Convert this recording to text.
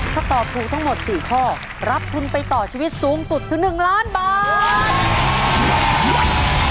ถ้าตอบถูกทั้งหมด๔ข้อรับทุนไปต่อชีวิตสูงสุดคือ๑ล้านบาท